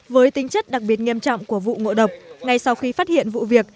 với tính chất đặc biệt nghiêm trọng của vụ ngộ độc ngay sau khi phát hiện vụ việc